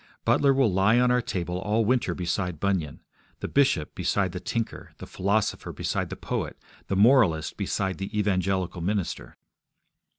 Butler will lie on our table all winter beside Bunyan; the bishop beside the tinker, the philosopher beside the poet, the moralist beside the evangelical minister.